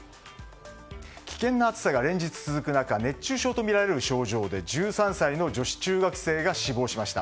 危険な暑さが連日続く中熱中症とみられる症状で１３歳の女子中学生が死亡しました。